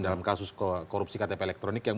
dalam kasus korupsi ktp elektronik yang